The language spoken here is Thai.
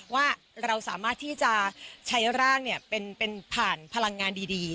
ว่าเราสามารถที่จะใช้ร่างเป็นผ่านพลังงานดี